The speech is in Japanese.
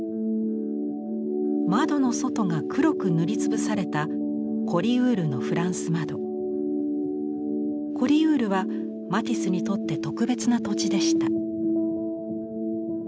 窓の外が黒く塗りつぶされたコリウールはマティスにとって特別な土地でした。